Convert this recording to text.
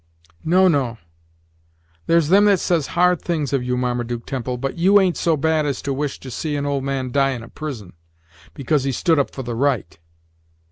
No, no there's them that says hard things of you, Marmaduke Temple, but you ain't so bad as to wish to see an old man die in a prison, because he stood up for the right.